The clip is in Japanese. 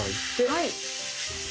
はい。